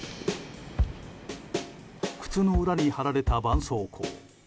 靴の裏に貼られたばんそうこう。